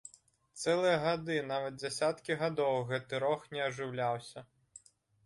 Цэлыя гады, нават дзесяткі гадоў гэты рог не ажыўляўся.